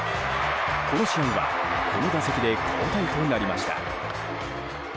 この試合はこの打席で交代となりました。